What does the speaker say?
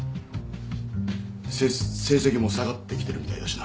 せ成績も下がってきてるみたいだしな。